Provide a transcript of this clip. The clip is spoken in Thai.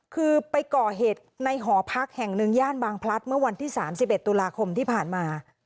คือไปก่อเหตุในหอพักแห่งหนึ่งย่านบางพลัดเมื่อวันที่๓๑ตุลาคมที่ผ่านมา